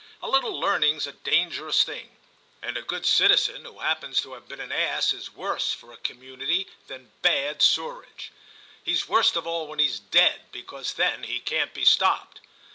A little learning's a dangerous thing, and a good citizen who happens to have been an ass is worse for a community than bad sewerage. He's worst of all when he's dead, because then he can't be stopped.